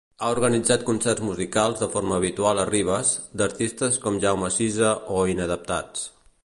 Ha organitzat concerts musicals de forma habitual a Ribes, d'artistes com Jaume Sisa o Inadaptats.